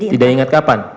tidak ingat kapan